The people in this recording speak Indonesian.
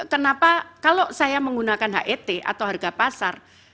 kenapa kalau saya menggunakan het atau harga pasar